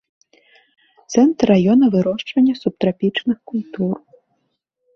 Цэнтр раёна вырошчвання субтрапічных культур.